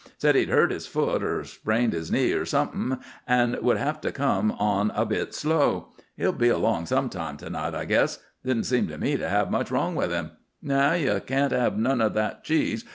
"Said he'd hurt his foot, or strained his knee, or something, an' would have to come on a bit slow. He'll be along sometime to night, I guess. Didn't seem to me to have much wrong with him. No, ye can't have none o' that cheese.